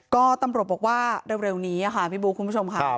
ก็ตำรวจบอกว่าเร็วนี้ค่ะพี่บุ๊คคุณผู้ชมค่ะ